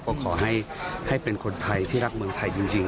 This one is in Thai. ก็ขอให้เป็นคนไทยที่รักเมืองไทยจริง